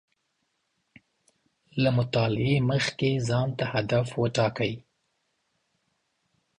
له مطالعې مخکې ځان ته هدف و ټاکئ